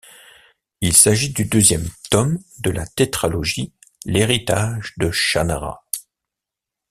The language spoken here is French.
Il s'agit du deuxième tome de la tétralogie L'Héritage de Shannara.